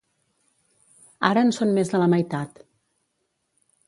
Ara en són més de la meitat.